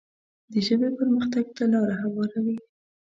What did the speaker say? د ژبې پرمختګ ته لاره هواروي.